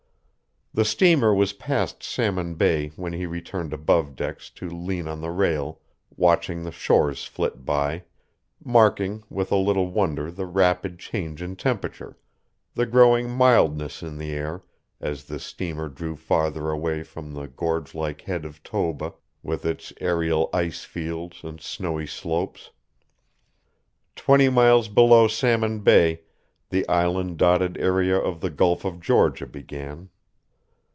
The steamer was past Salmon Bay when he returned above decks to lean on the rail, watching the shores flit by, marking with a little wonder the rapid change in temperature, the growing mildness in the air as the steamer drew farther away from the gorge like head of Toba with its aerial ice fields and snowy slopes. Twenty miles below Salmon Bay the island dotted area of the Gulf of Georgia began.